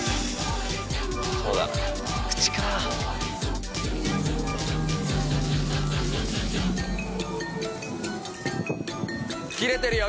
そうだな口かキレてるよ